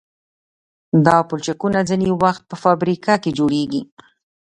دا پلچکونه ځینې وخت په فابریکه کې جوړیږي